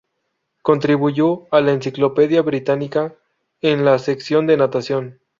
Contribuyó a la Enciclopedia Británica en la sección de natación.